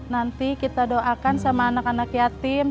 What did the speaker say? nanti kita doakan sama anak anak yatim